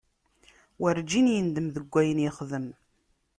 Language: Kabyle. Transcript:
Werǧin yendem deg wayen yexdem.